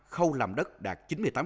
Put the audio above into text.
khâu làm đất đạt chín mươi tám